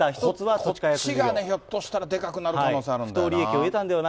こっちがね、ひょっとしたらでかくなる可能性があるんだよな。